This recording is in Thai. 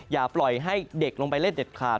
อย่าปล่อยให้เด็กลงไปเล่นเด็ดขาด